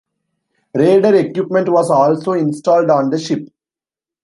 Radar equipment was also installed on the ship.